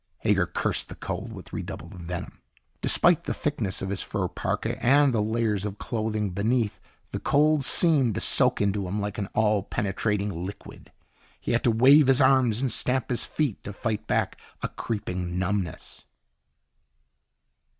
Hager cursed the cold with redoubled venom. Despite the thickness of his fur parka and the layers of clothing beneath the cold seemed to soak into him like an all penetrating liquid. He had to wave his arms and stamp his feet to fight back a creeping numbness.